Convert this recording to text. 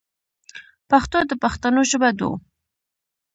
پښتو د پښتنو ژبه دو.